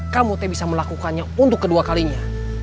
kamu teh bisa melakukannya untuk kedua kalinya